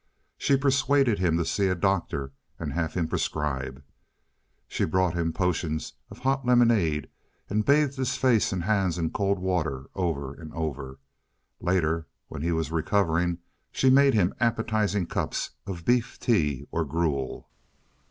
She persuaded him to see a doctor and have him prescribe. She brought him potions of hot lemonade, and bathed his face and hands in cold water over and over. Later, when he was recovering, she made him appetizing cups of beef tea or gruel.